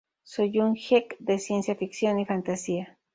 Soy un geek de ciencia ficción y fantasía.